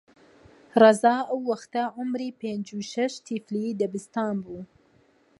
ڕەزا ئەو وەختە عومری پێنج و شەش تیفلی دەبستان بوو